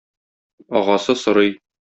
Агасы сорый